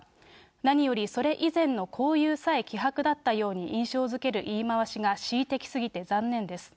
何よりそれ以前の交遊さえ希薄だったという印象づける言い回しが恣意的過ぎて残念です。